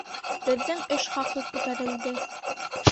Беҙҙең эш хаҡы күтәрелде